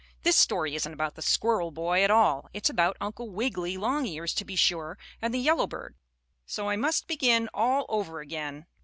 This story isn't about the squirrel boy at all. It's about Uncle Wiggily Longears to be sure, and the yellow bird, so I must begin all over again.